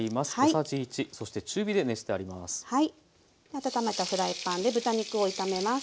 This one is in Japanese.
温めたフライパンで豚肉を炒めます。